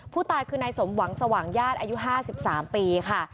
ผู้ตายคือนายสมหวังสว่างญาติอายุ๕๓ปีค่ะ